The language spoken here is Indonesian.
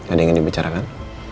ada yang ingin dibicarakan